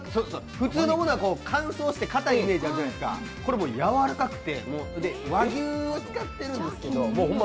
普通のものは乾燥してかたいイメージがあるじゃないですか、これはやわらかくて和牛を使っているんですけどほんま